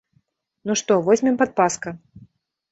Ну што, возьмем падпаска?